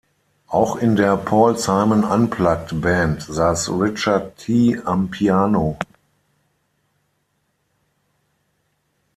Auch in der "Paul-Simon-Unplugged"-Band saß Richard Tee am Piano.